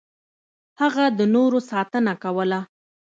هغه د نورو ساتنه کوله.